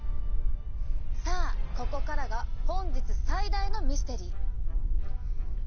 さあここからが本日最大のミステリー。